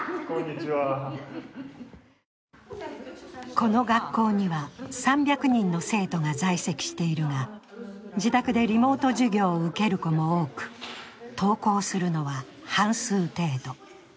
この学校には３００人の生徒が在籍しているが、自宅でリモート授業を受ける子も多く登校するのは半数程度。